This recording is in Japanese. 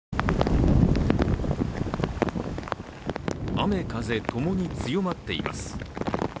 雨風ともに強まっています。